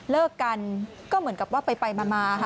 เลิกกันก็เหมือนกับว่าไปมาค่ะ